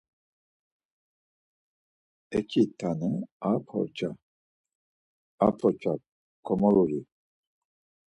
Eçi tane, a porça… A porça, komoluri…